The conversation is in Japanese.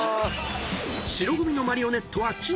［白組のマリオネットは知念］